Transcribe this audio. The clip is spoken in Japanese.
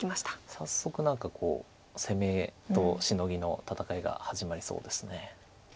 早速何か攻めとシノギの戦いが始まりそうです。